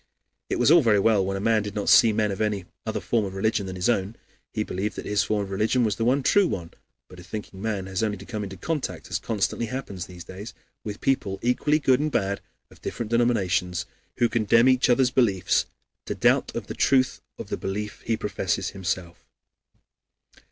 It was all very well when a man did not see men of any other form of religion than his own; he believed that his form of religion was the one true one. But a thinking man has only to come into contact as constantly happens in these days with people, equally good and bad, of different denominations, who condemn each other's beliefs, to doubt of the truth of the belief he professes himself.